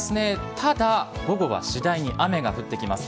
ただ、午後は次第に雨が降ってきます。